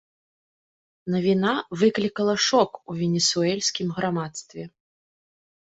Навіна выклікала шок у венесуэльскім грамадстве.